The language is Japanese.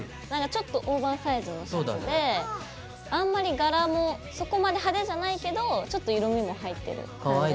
ちょっとオーバーサイズのシャツであんまりがらもそこまで派手じゃないけどちょっと色みも入ってる感じの。